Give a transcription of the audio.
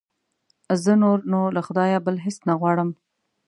زه نور نو له خدایه بل هېڅ نه غواړم.